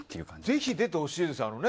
ぜひ出てほしいですよ。